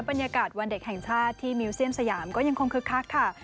บรรยากาศวันเด็กแห่งชาติที่มิวเซียมสยามก็ยังคงคึกคักค่ะ